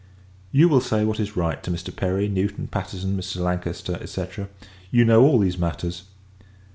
You will say what is right to Mr. Perry, Newton, Patterson, Mr. Lancaster, &c. you know all these matters.